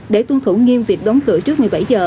để tuân thủ nghiêm việc đóng cửa trước một mươi bảy giờ